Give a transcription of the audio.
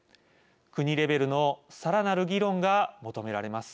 国レベルのさらなる議論が求められます。